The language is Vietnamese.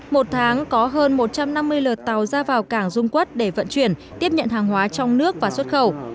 một tháng có hơn một trăm năm mươi lượt tàu ra vào cảng dung quốc để vận chuyển tiếp nhận hàng hóa trong nước và xuất khẩu